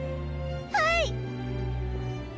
はい！